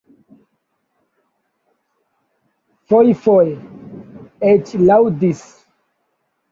Fojfoje eĉ laŭdis.